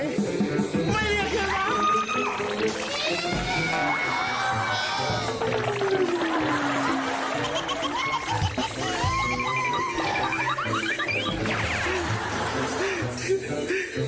ไม่เรียกใช่ไหม